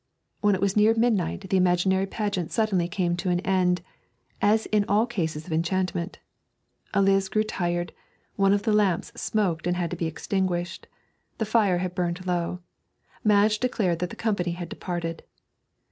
When it was near midnight the imaginary pageant suddenly came to an end, as in all cases of enchantment. Eliz grew tired; one of the lamps smoked and had to be extinguished; the fire had burned low. Madge declared that the company had departed.